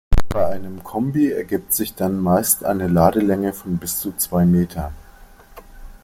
Bei einem Kombi ergibt sich dann meist eine Ladelänge von bis zu zwei Meter.